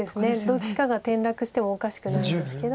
どっちかが転落してもおかしくないんですけど。